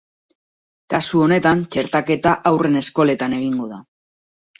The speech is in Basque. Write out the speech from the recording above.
Kasu honetan, txertaketa haurren eskoletan egingo da.